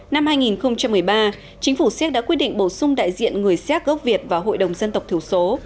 năm hai nghìn một mươi ba chính phủ xéc đã quyết định bổ sung đại diện người xéc gốc việt vào hội đồng dân tộc thiểu số